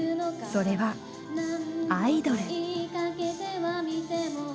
それはアイドル。